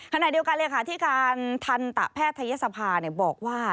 ขณะเดียวกันเลยค่ะที่การทันตะแพทยศภาบอกว่า